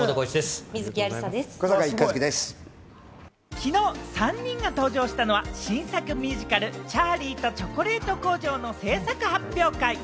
きのう３人が登場したのは、新作ミュージカル『チャーリーとチョコレート工場』の制作発表会。